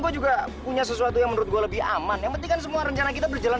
gue juga punya sesuatu yang menurut gue lebih aman yang penting kan semua rencana kita berjalan